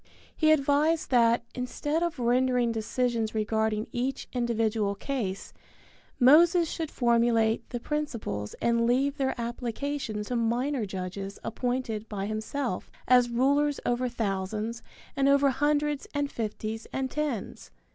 He advised that, instead of rendering decisions regarding each individual case, Moses should formulate the principles and leave their application to minor judges appointed by himself as rulers over thousands and over hundreds and fifties and tens.